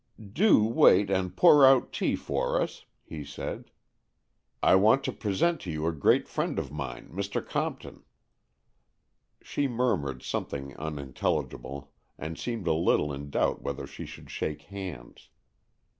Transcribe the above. " Do wait and pour out tea for us," he said. 58 AN EXCHANGE OF SOULS " I want to present to you a great friend of mine, Mr. Compton." She murmured something unintelligible, and seemed a little in doubt whether she should shake hands.